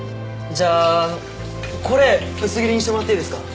じゃあこれ薄切りにしてもらっていいですか？